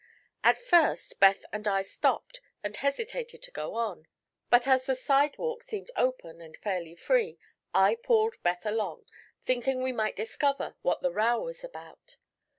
At first Beth and I stopped and hesitated to go on, but as the sidewalk seemed open and fairly free I pulled Beth along, thinking we might discover what the row was about.